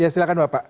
ya silahkan pak